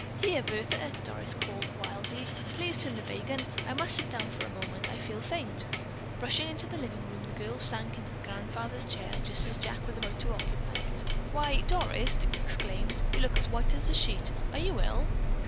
"Here, Bertha!" Doris called wildly. "Please turn the bacon. I must sit down for a moment. I feel faint!" Rushing into the living room, the girl sank into the grandfather's chair just as Jack was about to occupy it. "Why, Doris," Dick exclaimed, "you look as white as a sheet! Are you ill?"